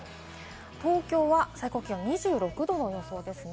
東京は最高気温２６度の予想ですね。